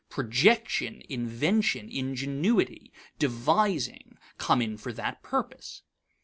Projection, invention, ingenuity, devising come in for that purpose.